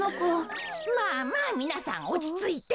まあまあみなさんおちついて。